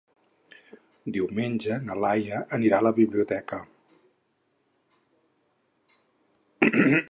Diumenge na Laia anirà a la biblioteca.